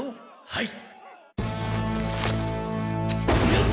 はい！